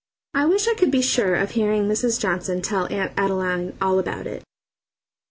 I wish I could be sure of hearing Mrs. Johnson tell Aunt Adeline all about it.